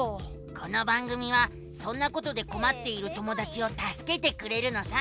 この番組はそんなことでこまっている友だちをたすけてくれるのさ。